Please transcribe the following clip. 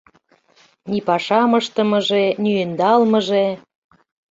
Ни пашам ыштымыже, ни ӧндалмыже.